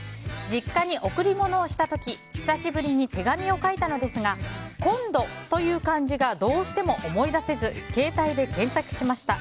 実家に贈り物をした時久しぶりに手紙を書いたのですが「今度」という漢字がどうしても思い出せず携帯で検索しました。